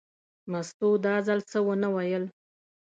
مستو دا ځل څه ونه ویل.